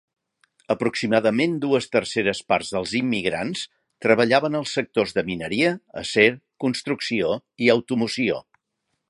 Aproximadament dues terceres parts dels immigrants treballaven als sectors de mineria, acer, construcció i automoció.